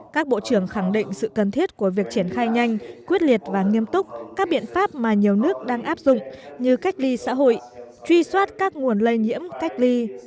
các bộ trưởng khẳng định sự cần thiết của việc triển khai nhanh quyết liệt và nghiêm túc các biện pháp mà nhiều nước đang áp dụng như cách ly xã hội truy soát các nguồn lây nhiễm cách ly